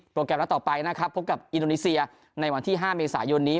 แกรมนัดต่อไปนะครับพบกับอินโดนีเซียในวันที่๕เมษายนนี้